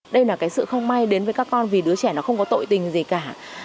đây là cái sự không may đến với các con vì đứa trẻ nó không có tội tình gì cả